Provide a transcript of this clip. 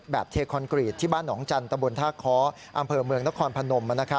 เทคอนกรีตที่บ้านหนองจันทบนท่าค้ออำเภอเมืองนครพนม